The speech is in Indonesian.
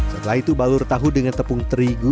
setelah itu balur tahu dengan tepung terigu